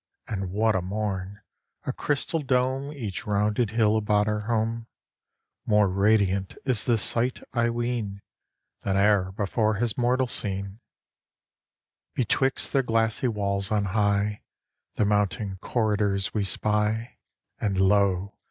And what a morn! A crystal dome Each rounded hill about our home! More radiant is the sight, I ween, Than e'er before has mortal seen. Betwixt their glassy walls on high The mountain corridors we spy, And lo!